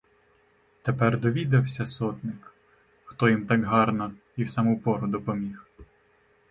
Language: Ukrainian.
Тепер довідався сотник, хто то їм так гарно і в саму пору допоміг.